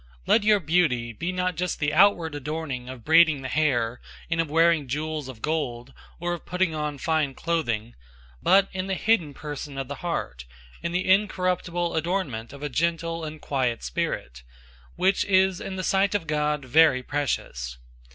003:003 Let your beauty be not just the outward adorning of braiding the hair, and of wearing jewels of gold, or of putting on fine clothing; 003:004 but in the hidden person of the heart, in the incorruptible adornment of a gentle and quiet spirit, which is in the sight of God very precious.